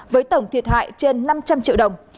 với tổng thiệt hại trên năm trăm linh triệu đồng